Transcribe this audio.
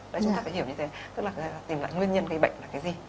đấy chúng ta phải hiểu như thế tức là tìm lại nguyên nhân gây bệnh là cái gì